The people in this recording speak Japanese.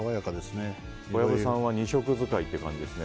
小籔さんは２色使いという感じですね。